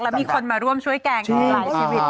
แล้วมีคนมาร่วมช่วยแกล้งหลายชีวิต